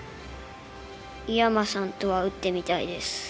井山さんとは打ってみたいです。